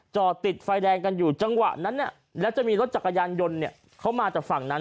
จอดติดไฟแดงกันอยู่จังหวะนั้นแล้วจะมีรถจักรยานยนต์เข้ามาจากฝั่งนั้น